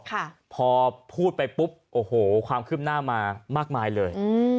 ค่ะพอพูดไปปุ๊บโอ้โหความคืบหน้ามามากมายเลยอืม